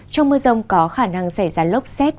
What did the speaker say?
trong mưa rông có khả năng xảy ra lốc xét